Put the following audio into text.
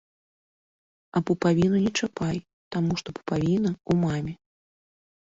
А пупавіну не чапай, таму што пупавіна ў маме.